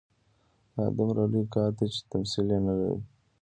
دا دومره لوی کار دی چې تمثیل نه لري.